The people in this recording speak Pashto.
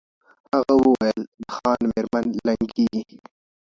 هغه وویل د خان مېرمن لنګیږي